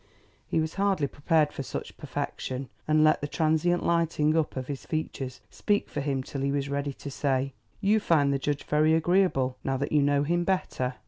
He was hardly prepared for such perfection, and let the transient lighting up of his features speak for him till he was ready to say: "You find the judge very agreeable, now that you know him better?"